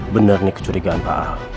bener nih kecurigaan pak